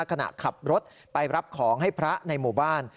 ขณะขับรถไปรับของให้พระในหมู่บ้าน